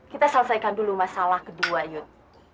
kita selesaikan dulu masalah kedua yuk